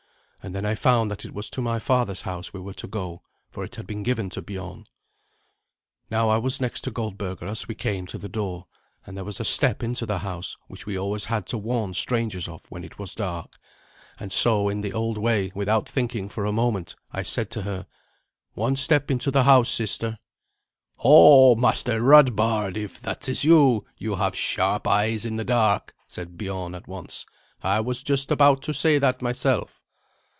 And then I found that it was to my father's house we were to go, for it had been given to Biorn. Now, I was next to Goldberga as we came to the door, and there was a step into the house which we always had to warn strangers of when it was dark; and so, in the old way, without thinking for a moment, I said to her, "One step into the house, sister." "Ho, Master Radbard, if that is you, you have sharp eyes in the dark," said Biorn at once; "I was just about to say that myself."